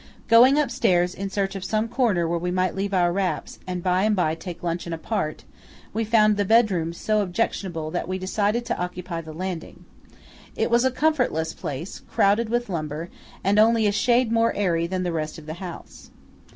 Going upstairs in search of some corner where we might leave our wraps and by and by take luncheon apart, we found the bedrooms so objectionable that we decided to occupy the landing. It was a comfortless place, crowded with lumber, and only a shade more airy than the rest of the house.